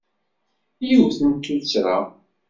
Yiwet n tuttra.